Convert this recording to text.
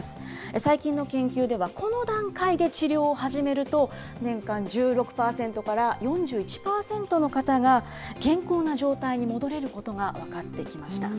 最近の研究では、この段階で治療を始めると、年間１６％から４１％の方が、健康な状態に戻れることが分かってきました。